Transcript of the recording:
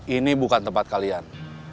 ini bukan tempat kalian